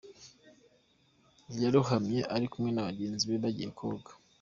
Yarohamye ari kumwe n’abagenzi bagiye koga.